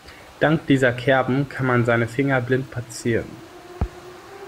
Dank dieser Kerben kann man seine Finger blind platzieren.